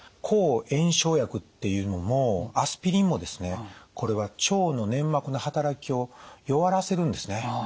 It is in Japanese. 抗炎症薬っていうのもアスピリンもですねこれは腸の粘膜の働きを弱らせるんですね。